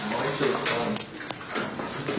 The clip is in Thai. อร่อยสิครับ